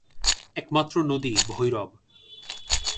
একমাত্র নদী ভৈরব।